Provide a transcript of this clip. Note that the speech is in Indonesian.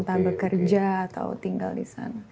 entah bekerja atau tinggal di sana